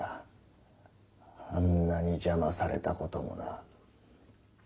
あんなにじゃまされたこともな。